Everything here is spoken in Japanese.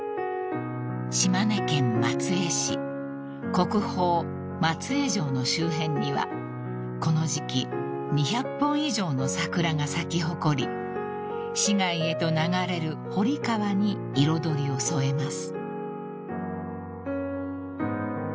［国宝松江城の周辺にはこの時季２００本以上の桜が咲き誇り市街へと流れる堀川に彩りを添えます］